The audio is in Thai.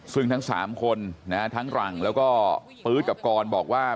ซึ่งทั้ง๓คนทั้งหลังแล้วก็ปื๊ดกับกรบอกว่า